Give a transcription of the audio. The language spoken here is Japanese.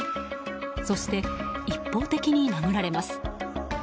そして、一方的に殴られます。